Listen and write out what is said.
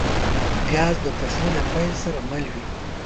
پیاز د پخلي له پیل سره مل وي